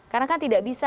karena kan tidak bisa